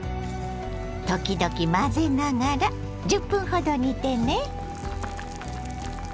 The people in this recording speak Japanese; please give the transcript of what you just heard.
時々混ぜながら１０分ほど煮てね。